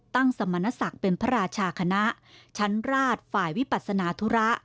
สมณศักดิ์เป็นพระราชาคณะชั้นราชฝ่ายวิปัสนาธุระ